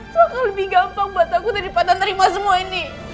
soalnya lebih gampang buat aku dari patah terima semua ini